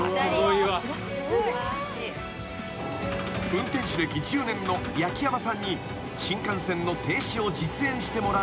［運転士歴１０年の焼山さんに新幹線の停止を実演してもらうことに］